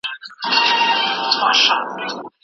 چي یوه بل ته مو خبري د پرون کولې